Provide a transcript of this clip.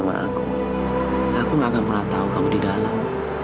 aku gak akan pernah tau kamu di dalam